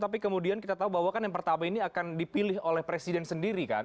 tapi kemudian kita tahu bahwa kan yang pertama ini akan dipilih oleh presiden sendiri kan